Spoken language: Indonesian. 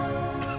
aku ngadopsi dia